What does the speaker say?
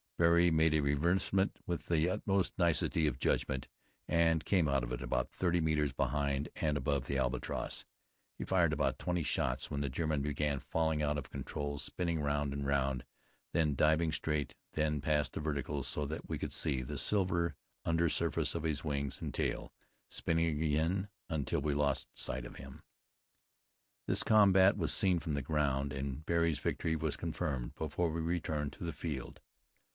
Barry made a renversement with the utmost nicety of judgment and came out of it about thirty metres behind and above the Albatross. He fired about twenty shots, when the German began falling out of control, spinning round and round, then diving straight, then past the vertical, so that we could see the silver under surface of his wings and tail, spinning again until we lost sight of him. [Footnote 1: This combat was seen from the ground, and Barry's victory was confirmed before we returned to the field.